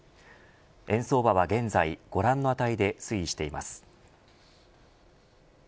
円相場は現在ご覧の値で推移しています。